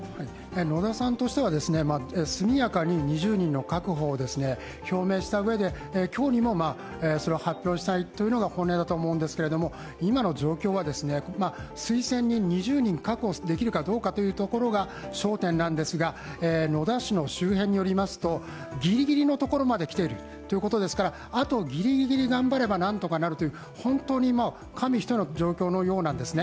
野田さんとしては、速やかに２０人の確保を表明したうえで今日にもそれを発表したいというのが本音だと思うんですけれども、今の状況がですね、推薦人２０人確保できるかどうかというところが焦点なんですが、野田氏の周辺によりますとギリギリのところまで来ているということですから、あと、ぎりぎり頑張ればなんとかなるという本当に紙一重の状況のようなんですね。